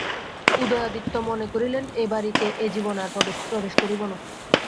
উদয়াদিত্য মনে করিলেন এ-বাড়িতে এ জীবনে আর প্রবেশ করিব না।